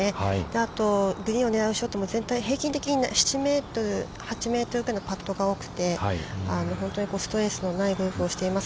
あと、グリーンを狙うショットも、平均的に７メートル、８メートルくらいのパットが多くて本当にストレスのないゴルフをしています。